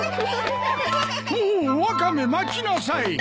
おおワカメ待ちなさい！